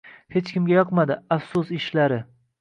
Hech kimga yoqmadi, afsus ishlari.